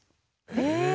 え！